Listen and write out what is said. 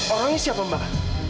orangnya siapa mbak